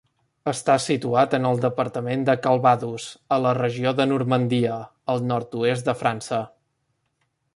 Està situat en el departament de Calvados, a la regió de Normandia, al nord-oest de França.